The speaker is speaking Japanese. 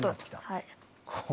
はい。